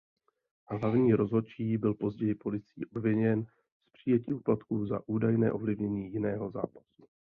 Hlavní rozhodčí byl později policií obviněn z přijetí úplatku za údajné ovlivnění jiného zápasu.